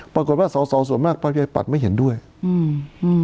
ปรากฏว่าสอสอส่วนมากประชาปัตย์ไม่เห็นด้วยอืมอืม